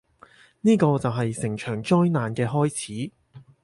呢個就係成場災難嘅開始